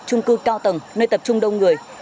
trung cư cao tầng nơi tập trung đông người